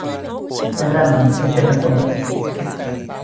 และนั่นไม่ใช่ทั้งหมด